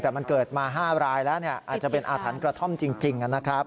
แต่มันเกิดมา๕รายแล้วอาจจะเป็นอาถรรพ์กระท่อมจริงนะครับ